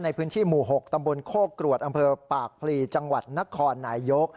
ในพื้นที่หมู่๖ตำบลโคกรวดอำเภอปากพลีจังหวัดนครนายยก